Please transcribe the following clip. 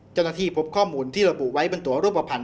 เจ้าหน้าที่พบข้อมูลที่ระบุไว้บนตัวรูปภัณ